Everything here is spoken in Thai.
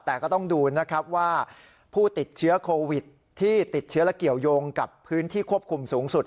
แต่ก็ต้องดูนะครับว่าผู้ติดเชื้อโควิดที่ติดเชื้อและเกี่ยวยงกับพื้นที่ควบคุมสูงสุด